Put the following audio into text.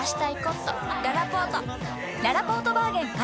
ららぽーとバーゲン開催！